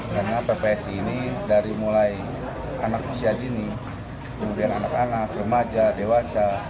karena ppsi ini dari mulai anak usia dini kemudian anak anak remaja dewasa